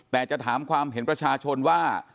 แต่จะถามความเห็นประชาชนว่า